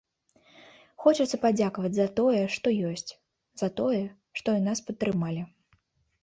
Хочацца падзякаваць за тое, што ёсць, за тое, што і нас падтрымалі.